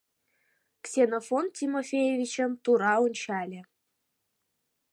— Ксенофонт Тимофеевичым тура ончале.